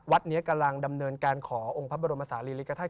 วัดนี้กำลังดำเนินการขอองค์พระบรมศาลีริกฐาตุ